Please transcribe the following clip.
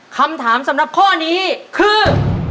คำถามสำหรับข้อนี้คือ